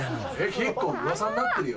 結構うわさになってるよ。